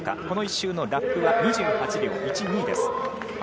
この１周のラップは２８秒１２です。